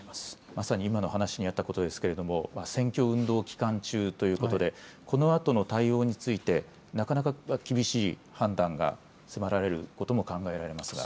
まさに今の話にあったことですが選挙運動期間中ということでこのあとの対応についてなかなか厳しい判断が迫られることも考えられますが。